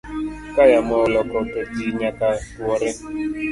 Kayamo oloko to ji nyaka tuore.